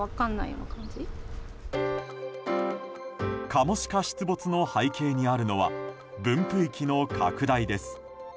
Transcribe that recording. カモシカ出没の背景にあるのは分布域の拡大です。